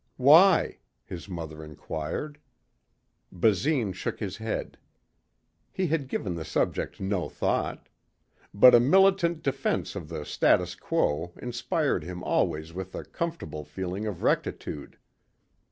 "Why?" his mother inquired. Basine shook his head. He had given the subject no thought. But a militant defense of the status quo inspired him always with a comfortable feeling of rectitude.